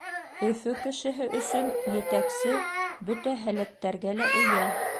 Өфө кешеһе өсөн етәксе бөтә һәләттәргә лә эйә.